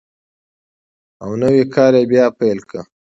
او نوی کار یې بیا پیل کړ.